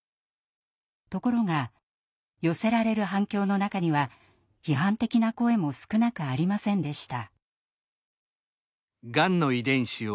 ところが寄せられる反響の中には批判的な声も少なくありませんでした。